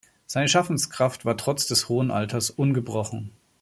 Seine Schaffenskraft war trotz des hohen Alters ungebrochen.